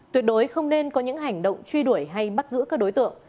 tuyệt đối không nên có những hành động truy đuổi hay bắt giữ các đối tượng